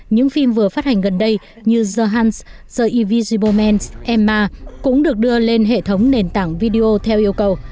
những phim vừa phát hành gần đây như the hunts the invisible man emma cũng được đưa lên hệ thống nền tảng video theo yêu cầu